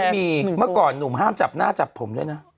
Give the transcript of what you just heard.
เมื่อก่อนหนุ่มห้ามจับหน้าจับผมด้วยนะ